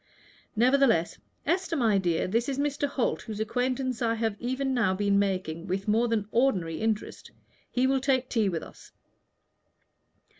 Nevertheless Esther, my dear, this is Mr. Holt, whose acquaintance I have now been making with more than ordinary interest. He will take tea with us."